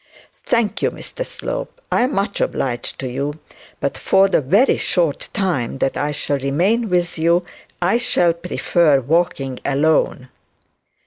'Thank you, Mr Slope, I am much obliged to you; but for the very short time that I shall remain with you I shall prefer walking alone.'